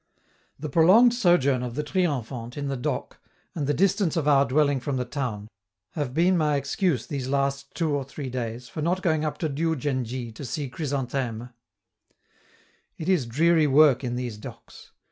The prolonged sojourn of the Triomphante in the dock, and the distance of our dwelling from the town, have been my excuse these last two or three days for not going up to Diou djen dji to see Chrysantheme. It is dreary work in these docks.